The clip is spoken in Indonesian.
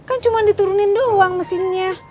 kan cuma diturunin doang mesinnya